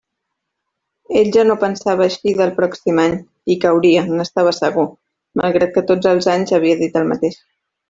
Ell ja no pensava eixir del pròxim any; hi cauria, n'estava segur, malgrat que tots els anys havia dit el mateix.